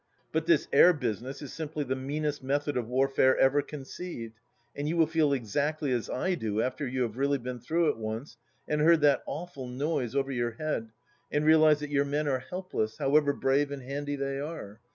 But this air business is simply the meanest method of warfare ever conceived, and you will feel exactly as I do after you have really been through it once and heard that awful noise over your head and realize that your men are helpless, however brave and handy they are.